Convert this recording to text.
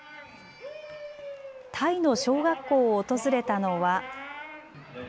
タイの小学校を訪れたのは。